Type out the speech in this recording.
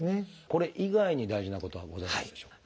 これ以外に大事なことはございますでしょうか？